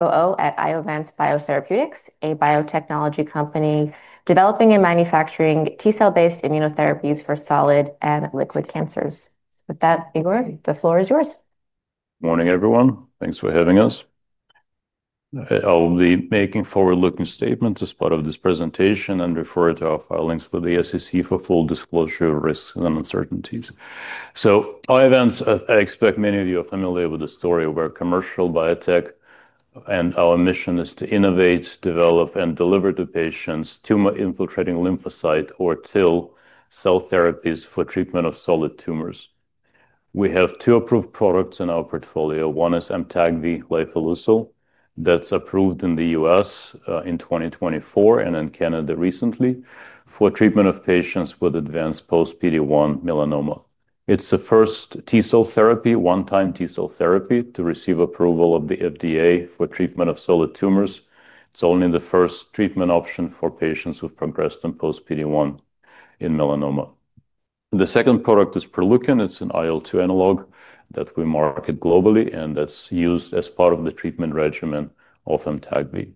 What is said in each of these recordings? COO at Iovance Biotherapeutics, a biotechnology company developing and manufacturing T-cell-based immunotherapies for solid and liquid cancers. With that, Igor, the floor is yours. Morning, everyone. Thanks for having us. I'll be making forward-looking statements as part of this presentation and refer to our filings for the SEC for full disclosure of risks and uncertainties. Iovance, I expect many of you are familiar with the story of our commercial biotech, and our mission is to innovate, develop, and deliver to patients tumor-infiltrating lymphocyte or TIL cell therapies for treatment of solid tumors. We have two approved products in our portfolio. One is Amtagvi, lifileucel, that's approved in the U.S. in 2024 and in Canada recently for treatment of patients with advanced post-PD-1 melanoma. It's the first T-cell therapy, one-time T-cell therapy, to receive approval of the FDA for treatment of solid tumors. It's only the first treatment option for patients who've progressed and post-PD-1 in melanoma. The second product is Proleukin. It's an IL-2 analog that we market globally, and that's used as part of the treatment regimen of Amtagvi.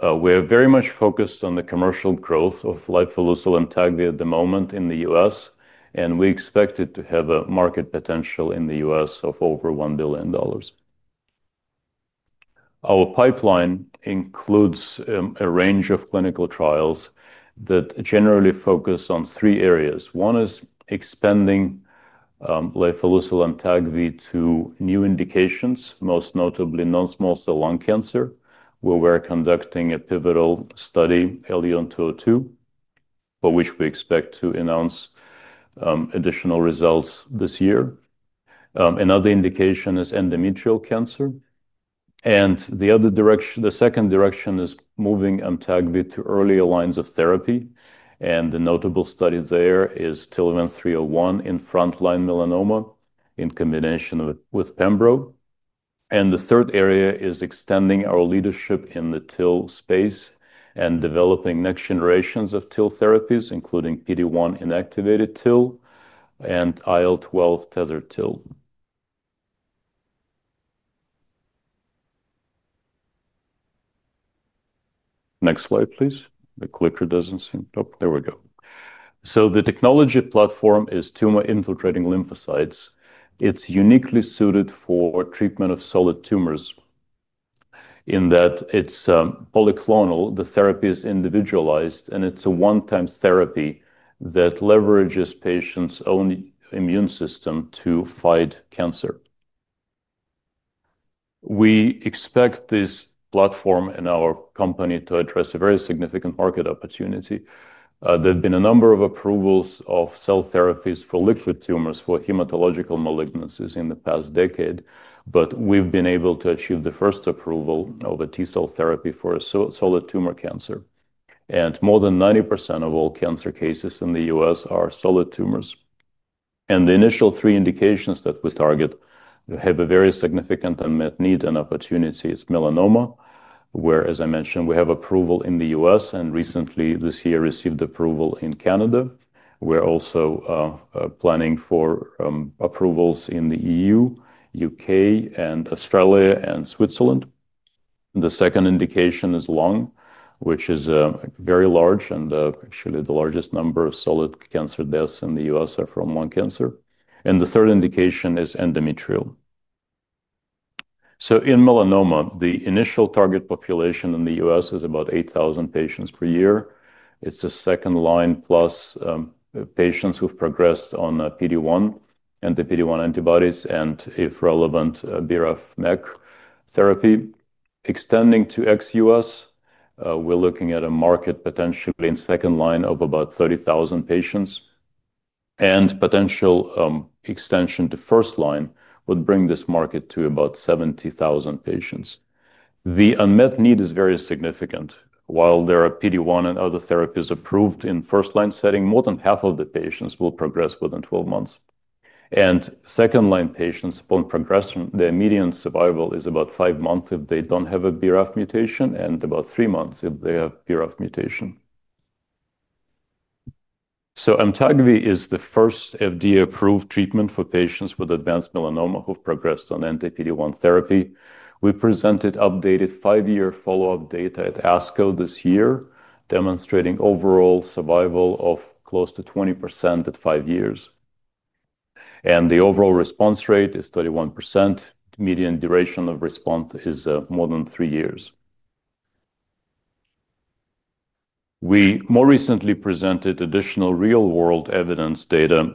We're very much focused on the commercial growth of lifileucel and Amtagvi at the moment in the U.S., and we expect it to have a market potential in the U.S. of over $1 billion. Our pipeline includes a range of clinical trials that generally focus on three areas. One is expanding lifileucel and Amtagvi to new indications, most notably non-small cell lung cancer, where we're conducting a pivotal study, ELION202, for which we expect to announce additional results this year. Another indication is endometrial cancer. The second direction is moving Amtagvi to earlier lines of therapy. The notable study there is TIL1301 in frontline melanoma in combination with pembrolizumab. The third area is extending our leadership in the TIL space and developing next generations of TIL therapies, including PD-1 inactivated TIL and IL-12 tethered TIL. Next slide, please. The clicker doesn't seem... Oh, there we go. The technology platform is tumor-infiltrating lymphocytes. It's uniquely suited for treatment of solid tumors in that it's polyclonal. The therapy is individualized, and it's a one-time therapy that leverages patients' own immune system to fight cancer. We expect this platform in our company to address a very significant market opportunity. There have been a number of approvals of cell therapies for liquid tumors for hematological malignancies in the past decade, but we've been able to achieve the first approval of a T-cell therapy for a solid tumor cancer. More than 90% of all cancer cases in the U.S. are solid tumors. The initial three indications that we target have a very significant unmet need and opportunity. It's melanoma, where, as I mentioned, we have approval in the U.S. and recently this year received approval in Canada. We're also planning for approvals in the EU, UK, Australia, and Switzerland. The second indication is lung, which is very large, and actually the largest number of solid cancer deaths in the U.S. are from lung cancer. The third indication is endometrial. In melanoma, the initial target population in the U.S. is about 8,000 patients per year. It's a second line plus, patients who've progressed on PD-1, anti-PD-1 antibodies, and, if relevant, BRAF-MEK therapy. Extending to ex-U.S., we're looking at a market potentially in second line of about 30,000 patients. Potential extension to first line would bring this market to about 70,000 patients. The unmet need is very significant. While there are PD-1 and other therapies approved in first-line setting, more than half of the patients will progress within 12 months. Second-line patients, upon progression, their median survival is about five months if they don't have a BRAF mutation and about three months if they have a BRAF mutation. Amtagvi is the first FDA-approved treatment for patients with advanced melanoma who've progressed on anti-PD-1 therapy. We presented updated five-year follow-up data at ASCO this year, demonstrating overall survival of close to 20% at five years. The overall response rate is 31%. Median duration of response is more than three years. We more recently presented additional real-world evidence data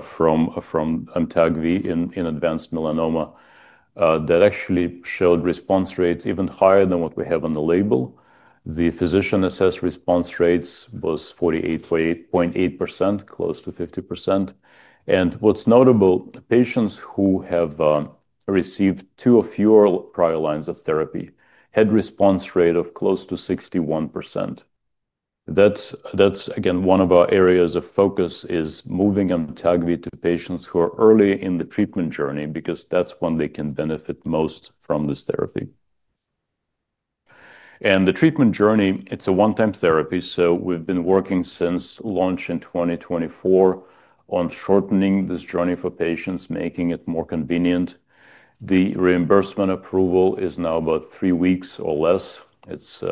from Amtagvi in advanced melanoma that actually showed response rates even higher than what we have on the label. The physician-assessed response rate was 48.8%, close to 50%. What's notable, patients who have received two or fewer prior lines of therapy had a response rate of close to 61%. That's, again, one of our areas of focus, moving Amtagvi to patients who are early in the treatment journey because that's when they can benefit most from this therapy. The treatment journey, it's a one-time therapy, so we've been working since launch in 2024 on shortening this journey for patients, making it more convenient. The reimbursement approval is now about three weeks or less. It's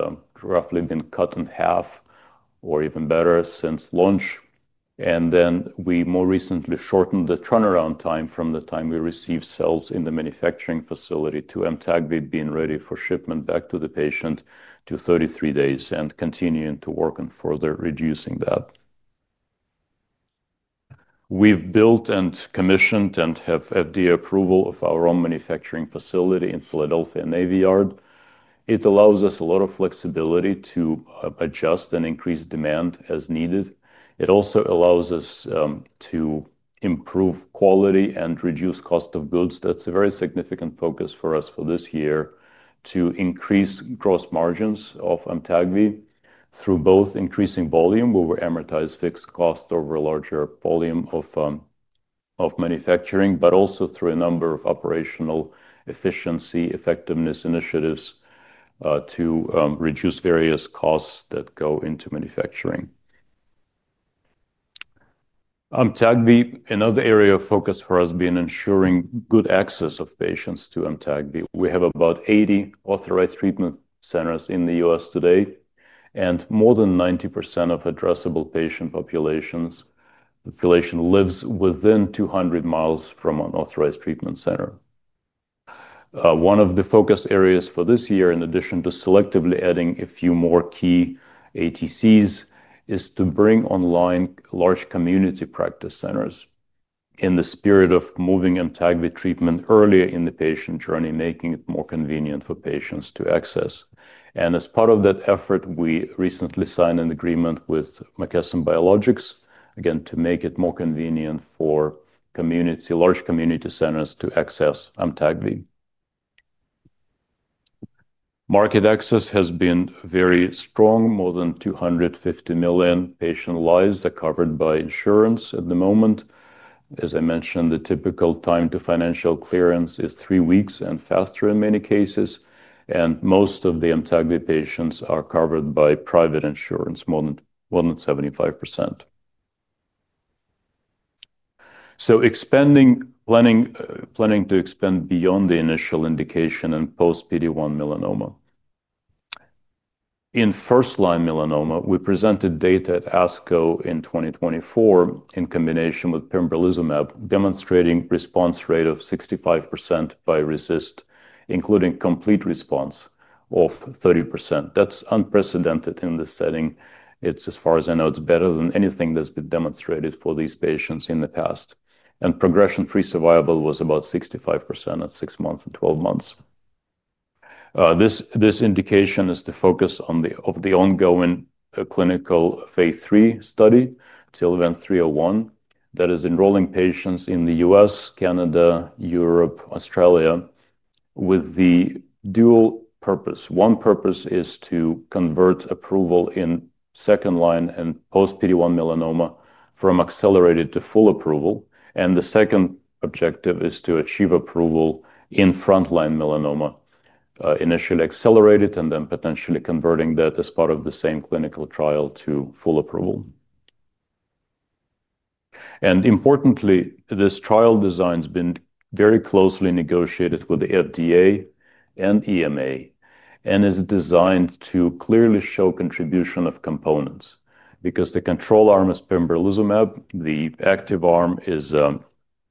roughly been cut in half or even better since launch. We more recently shortened the turnaround time from the time we receive cells in the manufacturing facility to Amtagvi being ready for shipment back to the patient to 33 days and are continuing to work on further reducing that. We've built and commissioned and have FDA approval of our own manufacturing facility in Philadelphia Navy Yard. It allows us a lot of flexibility to adjust and increase demand as needed. It also allows us to improve quality and reduce cost of goods. That's a very significant focus for us for this year to increase gross margins of Amtagvi through both increasing volume, where we amortize fixed cost over a larger volume of manufacturing, but also through a number of operational efficiency, effectiveness initiatives to reduce various costs that go into manufacturing. Amtagvi, another area of focus for us being ensuring good access of patients to Amtagvi. We have about 80 authorized treatment centers in the U.S. today, and more than 90% of addressable patient populations live within 200 miles from an authorized treatment center. One of the focus areas for this year, in addition to selectively adding a few more key ATCs, is to bring online large community practice centers in the spirit of moving Amtagvi treatment earlier in the patient journey, making it more convenient for patients to access. As part of that effort, we recently signed an agreement with McKesson Biologics, again, to make it more convenient for large community centers to access Amtagvi. Market access has been very strong. More than 250 million patient lives are covered by insurance at the moment. As I mentioned, the typical time to financial clearance is three weeks and faster in many cases. Most of the Amtagvi patients are covered by private insurance, more than 75%. Planning to expand beyond the initial indication and post-PD-1 melanoma. In frontline melanoma, we presented data at ASCO in 2024 in combination with pembrolizumab, demonstrating a response rate of 65% by RECIST, including complete response of 30%. That's unprecedented in this setting. It is, as far as I know, better than anything that's been demonstrated for these patients in the past. Progression-free survival was about 65% at six months and 12 months. This indication is the focus of the ongoing clinical phase three study, TIL1301, that is enrolling patients in the U.S., Canada, Europe, Australia, with the dual purpose. One purpose is to convert approval in second-line and post-PD-1 melanoma from accelerated to full approval. The second objective is to achieve approval in frontline melanoma, initially accelerated and then potentially converting that as part of the same clinical trial to full approval. Importantly, this trial design's been very closely negotiated with the FDA and EMA and is designed to clearly show contribution of components because the control arm is pembrolizumab. The active arm is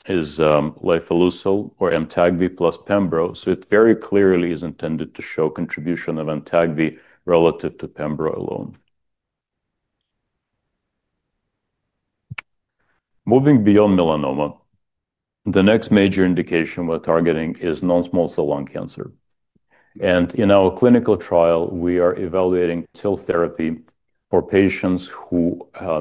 lifileucel or Amtagvi plus pembro. It very clearly is intended to show contribution of Amtagvi relative to pembro alone. Moving beyond melanoma, the next major indication we're targeting is non-small cell lung cancer. In our clinical trial, we are evaluating TIL therapy for patients who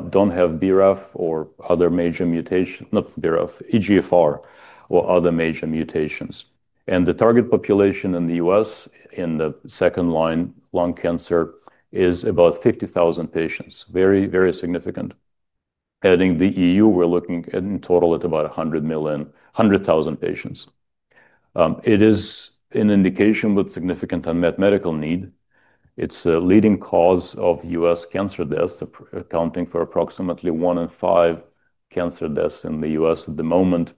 don't have BRAF or other major mutations, not BRAF, EGFR or other major mutations. The target population in the U.S. in the second-line lung cancer is about 50,000 patients, very, very significant. Adding the EU, we're looking in total at about 100,000 patients. It is an indication with significant unmet medical need. It's a leading cause of U.S. cancer deaths, accounting for approximately one in five cancer deaths in the U.S. at the moment.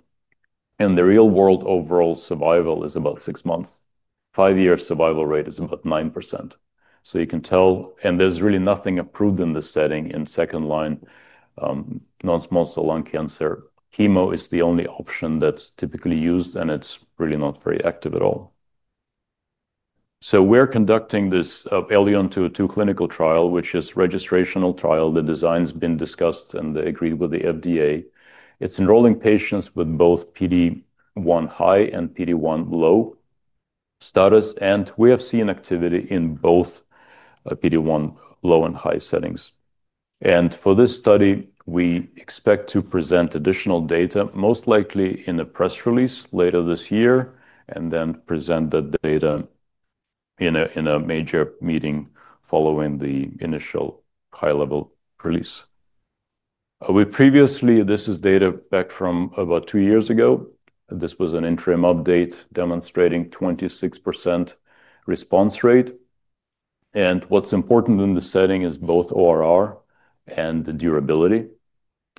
The real-world overall survival is about six months. Five-year survival rate is about 9%. You can tell, and there's really nothing approved in this setting in second-line non-small cell lung cancer. Chemo is the only option that's typically used, and it's really not very active at all. We're conducting this ELION202 clinical trial, which is a registrational trial. The design's been discussed and agreed with the FDA. It's enrolling patients with both PD-1 high and PD-1 low status, and we have seen activity in both PD-1 low and high settings. For this study, we expect to present additional data, most likely in a press release later this year, and then present that data in a major meeting following the initial high-level release. Previously, this is data back from about two years ago. This was an interim update demonstrating 26% response rate. What's important in the setting is both ORR and the durability.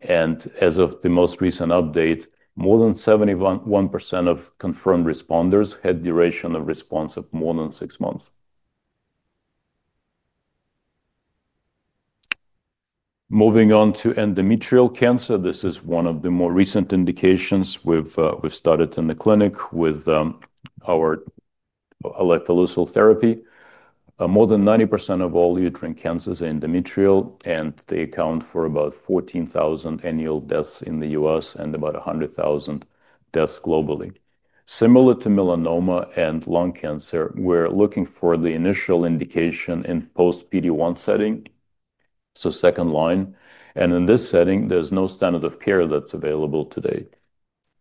As of the most recent update, more than 71% of confirmed responders had duration of response of more than six months. Moving on to endometrial cancer, this is one of the more recent indications we've started in the clinic with our Oletalucil therapy. More than 90% of all uterine cancers are endometrial, and they account for about 14,000 annual deaths in the U.S. and about 100,000 deaths globally. Similar to melanoma and lung cancer, we're looking for the initial indication in post-PD-1 setting, so second line. In this setting, there's no standard of care that's available today.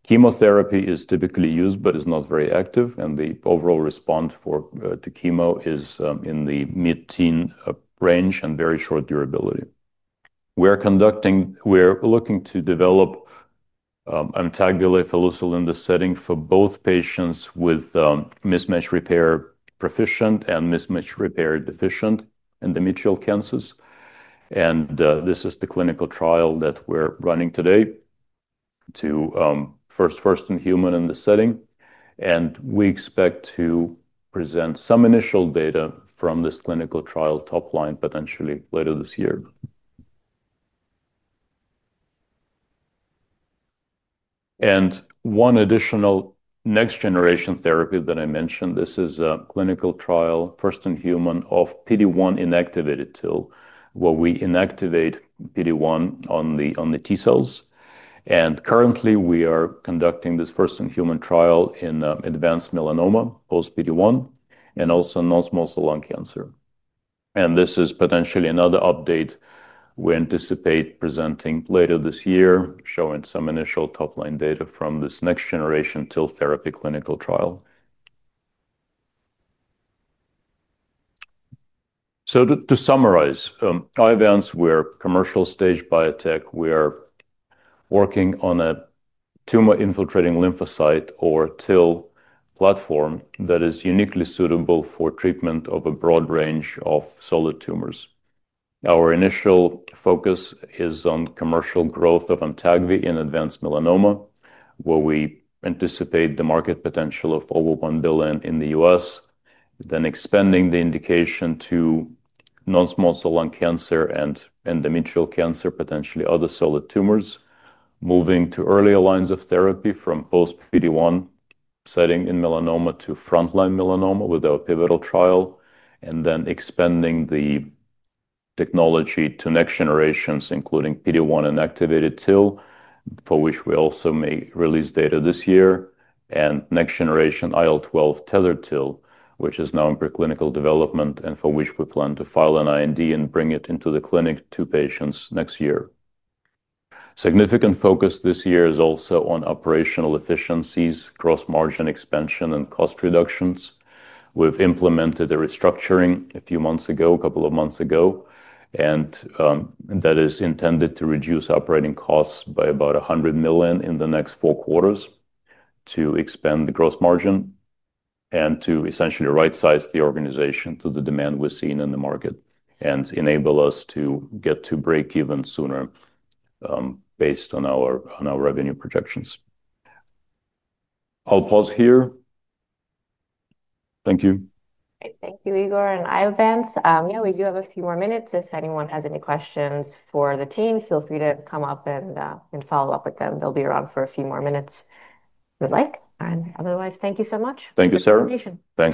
Chemotherapy is typically used, but it's not very active, and the overall response to chemo is in the mid-teen range and very short durability. We're looking to develop Amtagvi, lifileucel in this setting for both patients with mismatch repair proficient and mismatch repair deficient endometrial cancers. This is the clinical trial that we're running today, first in human in the setting. We expect to present some initial data from this clinical trial, top line, potentially later this year. One additional next-generation therapy that I mentioned, this is a clinical trial, first in human, of PD-1 inactivated TIL, where we inactivate PD-1 on the T cells. Currently, we are conducting this first in human trial in advanced melanoma, post-PD-1, and also non-small cell lung cancer. This is potentially another update we anticipate presenting later this year, showing some initial top line data from this next-generation TIL therapy clinical trial. To summarize, Iovance, we're a commercial stage biotech. We're working on a tumor-infiltrating lymphocyte or TIL platform that is uniquely suitable for treatment of a broad range of solid tumors. Our initial focus is on commercial growth of Amtagvi in advanced melanoma, where we anticipate the market potential of over $1 billion in the U.S., then expanding the indication to non-small cell lung cancer and endometrial cancer, potentially other solid tumors, moving to earlier lines of therapy from post-PD-1 setting in melanoma to frontline melanoma with our pivotal trial, and then expanding the technology to next generations, including PD-1 inactivated TIL, for which we also may release data this year, and next-generation IL-12 tethered TIL, which is now in preclinical development and for which we plan to file an IND and bring it into the clinic to patients next year. Significant focus this year is also on operational efficiencies, gross margin expansion, and cost reductions. We've implemented a restructuring a couple of months ago, and that is intended to reduce operating costs by about $100 million in the next four quarters to expand the gross margin and to essentially right-size the organization to the demand we're seeing in the market and enable us to get to break even sooner based on our revenue projections. I'll pause here. Thank you. Thank you, Igor and Iovance. We do have a few more minutes. If anyone has any questions for the team, feel free to come up and follow up with them. They'll be around for a few more minutes if you'd like. Otherwise, thank you so much. Thank you, Sara. Thank you.